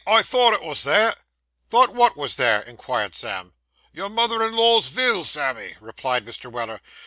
I thought it wos there.' 'Thought wot wos there?' inquired Sam. 'Your mother in law's vill, Sammy,' replied Mr. Weller.